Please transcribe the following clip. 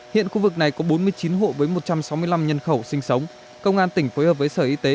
hiện khu vực này có bốn mươi chín hộ với một trăm sáu mươi năm nhân khẩu sinh sống công an tỉnh phối hợp với sở y tế